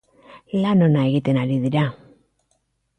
Lan ona egiten ari dira.